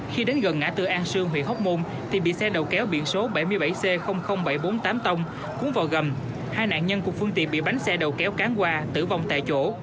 khi đến gần ngã tư an sương huyện hóc bôm thì bị xe đầu kéo biển số bảy mươi bảy c bảy trăm bốn mươi tám tông cuốn vào gầm hai nạn nhân của phương tiện bị bánh xe đầu kéo cán qua tử vong tại chỗ